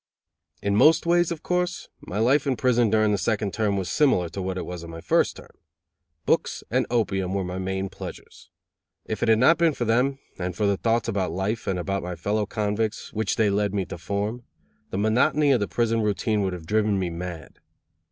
In most ways, of course, my life in prison during the second term was similar to what it was on my first term. Books and opium were my main pleasures. If it had not been for them and for the thoughts about life and about my fellow convicts which they led me to form, the monotony of the prison routine would have driven me mad.